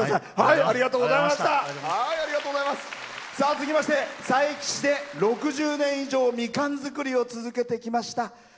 続きまして佐伯市で６０年以上みかん作りを続けてきました。